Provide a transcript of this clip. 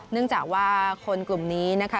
เนื่องจากว่าคนกลุ่มนี้นะคะ